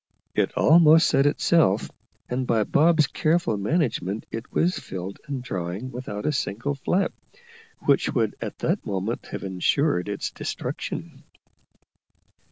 It almost set itself, and by Bob's careful management it was filled and drawing without a single flap, which would at that moment have insured its destruction.